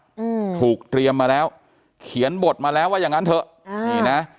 อืมถูกเตรียมมาแล้วเขียนบทมาแล้วว่าอย่างงั้นเถอะอ่านี่นะ